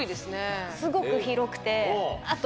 すごく広くてあと。